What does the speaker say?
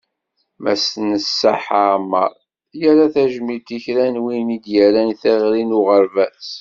Mass Neṣṣaḥ Ɛmer, yerra tajmilt i kra n win i d-yerran i teɣri n uɣerbaz.